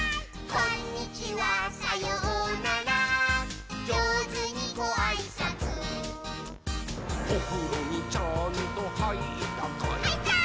「こんにちはさようならじょうずにごあいさつ」「おふろにちゃんとはいったかい？」はいったー！